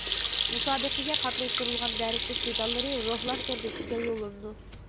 مۇسابىقىگە قاتناشتۇرۇلغان دەرسلىك دېتاللىرى روھلان تور بېكىتىگە يوللىنىدۇ.